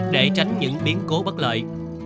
để tránh những biến cố bất lợi